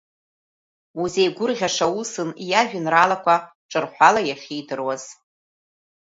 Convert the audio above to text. Узеигәырӷьаша усын иажәеинраалақәа ҿырҳәала иахьидыруаз.